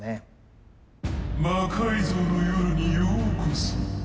「魔改造の夜」にようこそ。